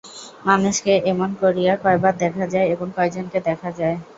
মানুষকে এমন করিয়া কয়বার দেখা যায় এবং কয়জনকে দেখা যায়!